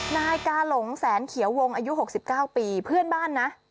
นายกาหลงแสนเขียววงอายุ๖๙ปีเพื่อนบ้านนะ